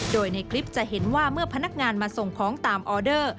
โดยในคลิปจะเห็นว่าเมื่อพนักงานมาส่งของตามออเดอร์